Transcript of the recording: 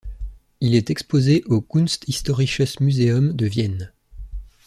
Il est exposé au Kunsthistorisches Museum de Vienne.